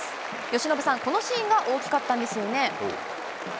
由伸さん、このシーンが大きかったんですよね？